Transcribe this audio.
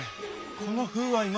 この風合い